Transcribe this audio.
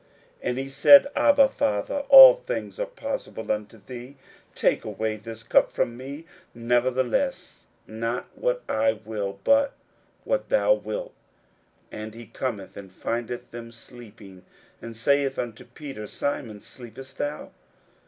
41:014:036 And he said, Abba, Father, all things are possible unto thee; take away this cup from me: nevertheless not what I will, but what thou wilt. 41:014:037 And he cometh, and findeth them sleeping, and saith unto Peter, Simon, sleepest thou?